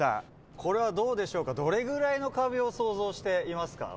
これはどうでしょうか、どれぐらいの壁を想像していますか？